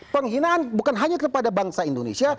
penghinaan bukan hanya kepada bangsa indonesia